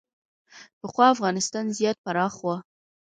پخوا افغانستان زیات پراخ و